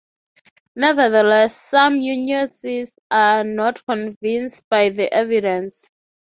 Nevertheless, some unionists are not convinced by the evidence.